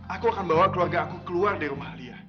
aku akan bawa keluarga aku keluar dari rumah lia